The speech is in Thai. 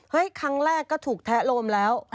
ครั้งแรกก็ถูกแทะโลมแล้ว